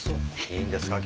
いいんですか？